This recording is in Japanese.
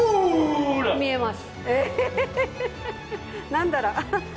何だろう？